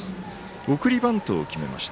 送りバントを決めました。